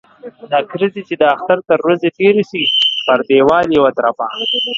نکريزي چې د اختر تر ورځي تيري سي ، پر ديوال يې و ترپه.